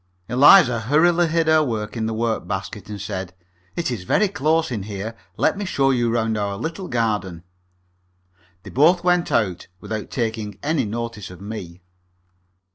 Eliza hurriedly hid her work in the work basket, and said, "It is very close in here. Let me show you round our little garden." They both went out, without taking any notice of me.